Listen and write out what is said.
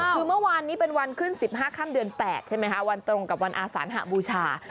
คือเมื่อวานนี้เป็นวันขึ้น๑๕ค่ำเดือน๘ใช่ไหมคะวันตรงกับวันอาสานหบูชา